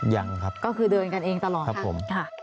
ยังครับก็คือเดินกันเองตลอดครับผม